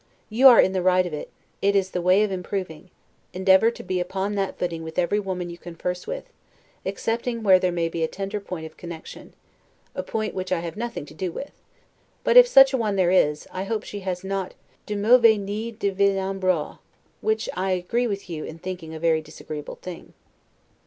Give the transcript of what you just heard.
You are in the right of it; it is the way of improving; endeavor to be upon that footing with every woman you converse with; excepting where there may be a tender point of connection; a point which I have nothing to do with; but if such a one there is, I hope she has not 'de mauvais ni de vilains bras', which I agree with you in thinking a very disagreeable thing.